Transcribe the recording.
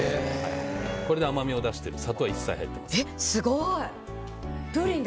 これで甘みを出して砂糖は一切入っていません。